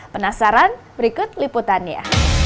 penasaran berikut liputannya